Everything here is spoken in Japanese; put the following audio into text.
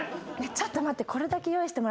ちょっと待って。